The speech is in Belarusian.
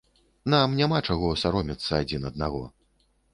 Нам няма чаго саромецца адзін аднаго.